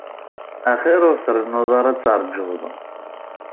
Axir ur trennuḍ ara ad teṛjuḍ.